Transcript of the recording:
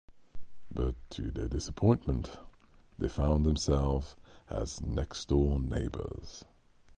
But to their disappointment, they found themselves as next-door neighbors.